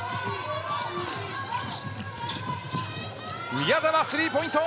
宮澤、スリーポイント！